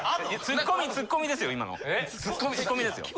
ツッコミツッコミですよ